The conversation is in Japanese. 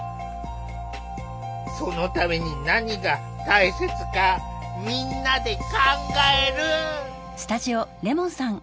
そのために何が大切かみんなで考える！